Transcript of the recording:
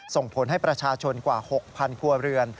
ส่งผลให้ประชาชนกว่า๖๐๐ครัวเรือน